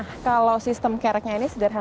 nah kalau sistem kereknya ini sederhana